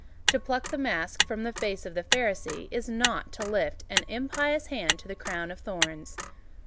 To pluck the mask from the face of the Pharisee, is not to lift an impious hand to the Crown of Thorns.